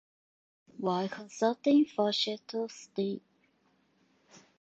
While consulting for Chateau Ste.